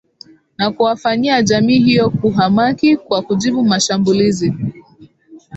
na kuwafanyia jamii hiyo kuhamaki kwa kujibu mashabulizi